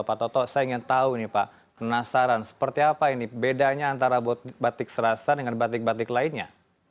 pak toto saya ingin tahu nih pak penasaran seperti apa ini bedanya antara batik serasa dengan batik batik lainnya